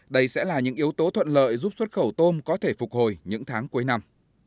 đây sẽ là những yếu tố thuận lợi giúp xuất khẩu tôm có thể phục hồi những tháng cuối năm